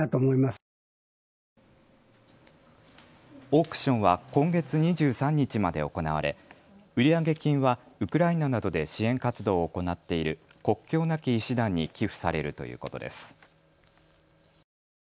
オークションは今月２３日まで行われ売上金はウクライナなどで支援活動を行っている国境なき医師団に寄付されるということです。